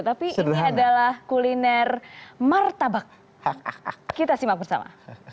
tapi ini adalah kuliner martabak kita simak bersama